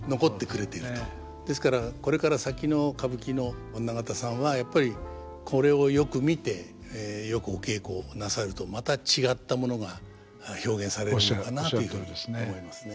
ですからこれから先の歌舞伎の女方さんはやっぱりこれをよく見てよくお稽古をなさるとまた違ったものが表現されるのかなというふうに思いますね。